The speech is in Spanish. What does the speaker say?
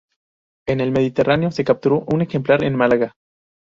En el Mediterráneo se capturó un ejemplar en Málaga.